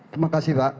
terima kasih pak